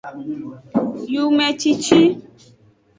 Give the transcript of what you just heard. Yumecici.